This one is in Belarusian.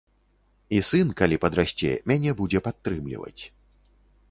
І сын, калі падрасце, мяне будзе падтрымліваць.